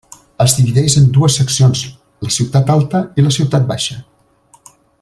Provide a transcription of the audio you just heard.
Es divideix en dues seccions, la ciutat alta i la ciutat baixa.